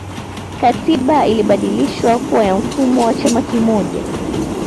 katiba ilibadilishwa kuwa ya mfumo wa chama kimoja